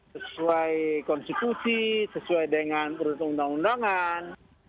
sesuai konstitusi sesuai dengan perusahaan undang undangan